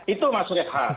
itu maksudnya hal